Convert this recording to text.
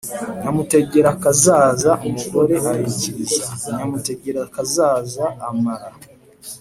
nyamutegerakazaza." umugore arikiriza. nyamutegerakazaza amara